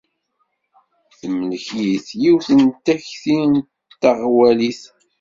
Temlek-it yiwet n takti d taɣwalit.